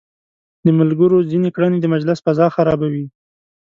د ملګرو ځينې کړنې د مجلس فضا خرابوي.